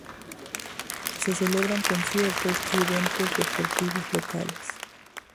Se celebran conciertos y eventos deportivos locales.